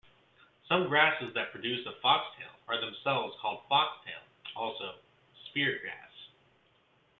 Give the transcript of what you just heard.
Some grasses that produce a foxtail are themselves called "foxtail", also "spear grass".